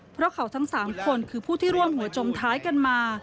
เพราะเขาทั้ง๓คนคือผู้ที่ร่วมหัวจมท้ายกันมา